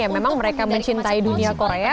yang memang mereka mencintai dunia korea